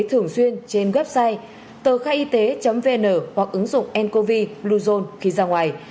thường xuyên trên website tờkhaiyt vn hoặc ứng dụng ncovi bluezone khi ra ngoài